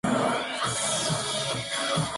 Militó en el partido Progresista.